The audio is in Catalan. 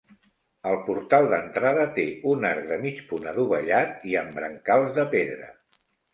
El portal d'entrada té un arc de mig punt adovellat i amb brancals de pedra.